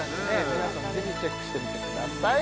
皆さんもぜひチェックしてみてください